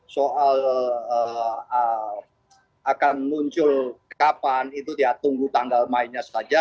soal akan muncul kapan itu ya tunggu tanggal mainnya saja